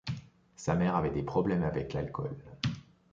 Sa mère avait des problèmes avec l'alcool.